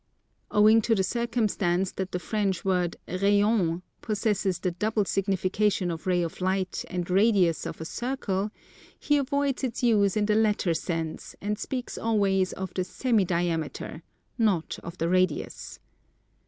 Owing to the circumstance that the French word rayon possesses the double signification of ray of light and radius of a circle, he avoids its use in the latter sense and speaks always of the semi diameter, not of the radius.